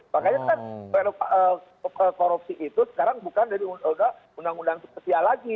makanya kan korupsi itu sekarang bukan dari undang undang spesial lagi